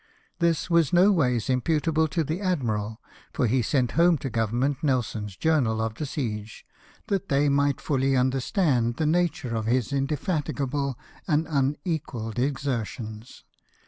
This was no ways imputable to the admiral, for he sent home to Government Nelson's journal of the siege, that they might fully understand the nature of his indefatigable and unequalled exertions.